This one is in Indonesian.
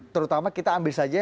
terutama kita ambil saja